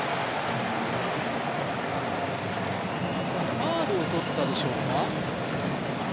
ファウルをとったでしょうか。